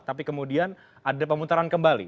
tapi kemudian ada pemutaran kembali